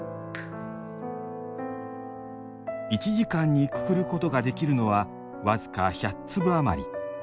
１時間にくくることができるのはわずか１００粒あまり。